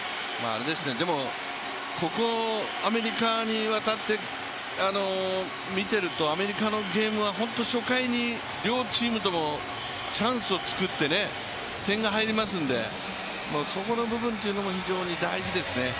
ここ、アメリカに渡って見ているとアメリカのゲームは初回に両チームともチャンスを作って点が入りますので、そこの部分も非常に大事ですね。